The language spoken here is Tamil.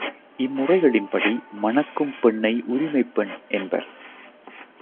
இம் முறைகளின்படி மணக்கும் பெண்ணை உரிமைப் பெண் என்பர்.